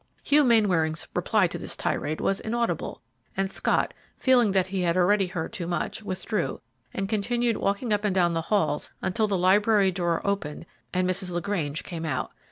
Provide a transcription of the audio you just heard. Hugh Mainwaring's reply to this tirade was inaudible, and Scott, feeling that he already had heard too much, withdrew, and continued walking up and down the halls until the library door opened and Mrs. LaGrange came out.